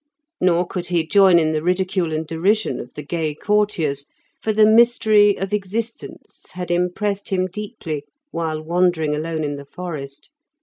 Nor could he join in the ridicule and derision of the gay courtiers, for the mystery of existence had impressed him deeply while wandering alone in the forest.